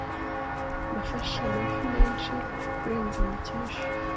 Nafashe amafi menshi kurenza Mukesha.